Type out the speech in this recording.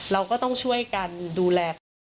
เราก็ต้องช่วยกันดูแลเขา